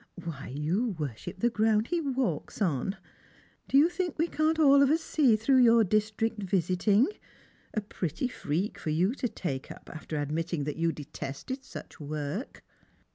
"Why, you worship the ground he walks on. Do you think we can't all of us see through your district visiting ? A pretty freak for you to take up, after admitting that you detested such work